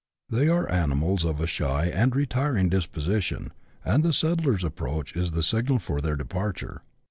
They are animals of a shy and retiring disposition, and the settler's approach is the signal for their departure.